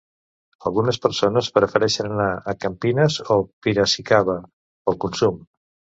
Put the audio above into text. Algunes persones prefereixen anar a Campinas o Piracicaba pel consum.